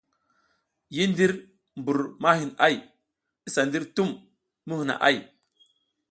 Yi ndir bur ma hin ay,i sa ndir tum mi hina ‘ay.